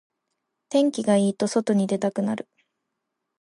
天気がいいと外に出たくなる